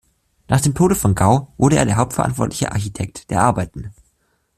Nach dem Tode von Gau wurde er der hauptverantwortlicher Architekt der Arbeiten.